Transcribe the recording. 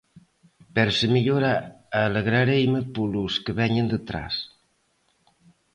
Pero se mellora alegrareime polos que veñen detrás.